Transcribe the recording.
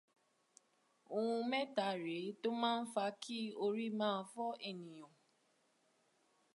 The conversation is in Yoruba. Ohun méta rèé tó máa ń fa kí orí máa fọ́ ènìyàn